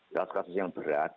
kasus kasus yang berat